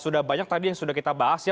sudah banyak tadi yang sudah kita bahas ya